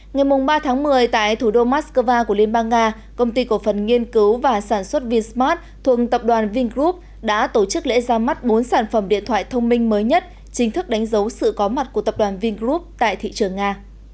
ngày ba tháng một mươi tại thủ đô moscow của liên bang nga công ty cổ phần nghiên cứu và sản xuất vinsmart thuộc tập đoàn vingroup đã tổ chức lễ ra mắt bốn sản phẩm điện thoại thông minh mới nhất chính thức đánh dấu sự có mặt của tập đoàn vingroup tại thị trường nga